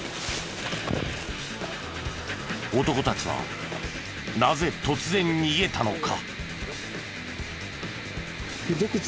男たちはなぜ突然逃げたのか？